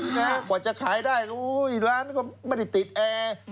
กว่าจะขายได้ร้านก็ไม่ได้ติดแอร์